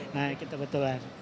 nah gitu betul